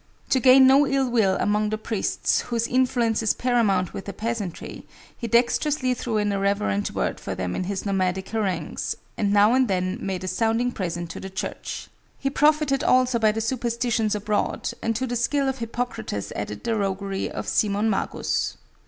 To gain no ill will among the priests, whose influence is paramount with the peasantry, he dexterously threw in a reverent word for them in his nomadic harangues, and now and then made a sounding present to the Church. He profited also by the superstitions abroad, and to the skill of Hippocrates added the roguery of Simon Magus.